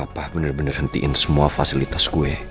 bapak bener bener hentiin semua fasilitas gue